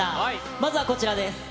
まずはこちらです。